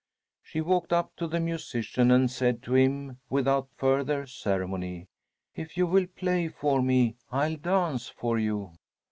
She walked up to the musician and said to him without further ceremony, "If you will play for me, I'll dance for you."